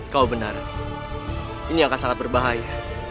kau benar ini akan sangat berbahaya